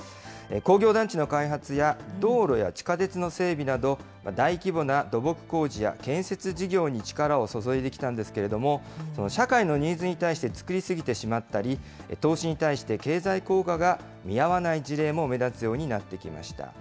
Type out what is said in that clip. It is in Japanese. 工業団地の開発や道路や地下鉄の整備など、大規模な土木工事や建設事業に力を注いできたんですけれども、社会のニーズに対して作り過ぎてしまったり、投資に対して経済効果が見合わない事例も目立つようになってきました。